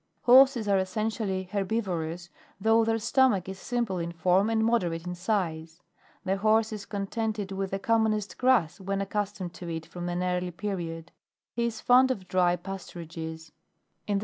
Horses are essentially herbivorous, though their stomach is simple in form and moderate in size. The Horse is contented with the commonest grass when accustomed to it from an early period. He is fond of dry pasturages ; in the stable he 11.